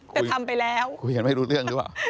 แต่ทำไปแล้วคุยกันไม่รู้เรื่องหรือเปล่า